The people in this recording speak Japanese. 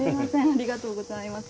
ありがとうございます。